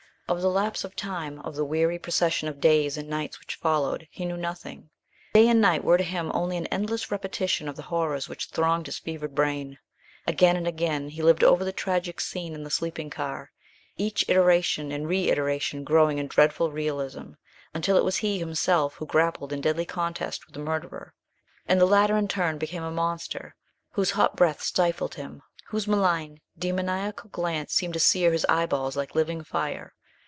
Of the lapse of time, of the weary procession of days and nights which followed, he knew nothing. Day and night were to him only an endless repetition of the horrors which thronged his fevered brain. Again and again he lived over the tragic scene in the sleeping car, each iteration and reiteration growing in dreadful realism, until it was he himself who grappled in deadly contest with the murderer, and the latter in turn became a monster whose hot breath stifled him, whose malign, demoniacal glance seemed to sear his eyeballs like living fire.